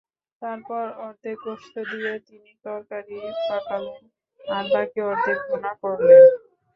তারপর অর্ধেক গোশত দিয়ে তিনি তরকারী পাকালেন আর বাকি অর্ধেক ভুনা করলেন।